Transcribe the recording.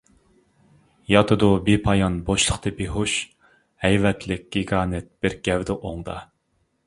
ياتىدۇ بىپايان بوشلۇقتا بىھوش، ھەيۋەتلىك گىگانت بىر گەۋدە ئوڭدا.